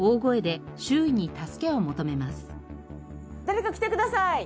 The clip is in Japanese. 誰か来てください！